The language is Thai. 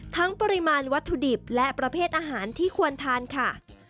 ปริมาณวัตถุดิบและประเภทอาหารที่ควรทานค่ะ